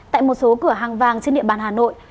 tại một số cửa hàng vàng trên địa bàn hà nội